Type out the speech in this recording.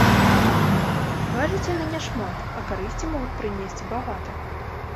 Важаць яны няшмат, а карысці могуць прынесці багата.